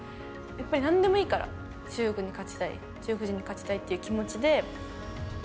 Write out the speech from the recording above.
やっぱりなんでもいいから、中国に勝ちたい、中国人に勝ちたいっていう気持ちで。